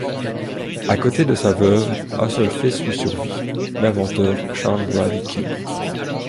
À côté de sa veuve, un seul fils lui survit, l'inventeur Charles Brady King.